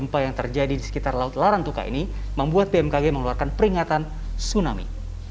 kisampan yang terjadi di sekitar laut larang tuka ini membuat bmkg mengeluarkan peringatan tsunami